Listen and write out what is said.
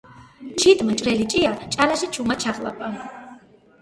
ჩიტმა ჭრელი ჭია ჭალაში ჩუმად ჩაყლაპა.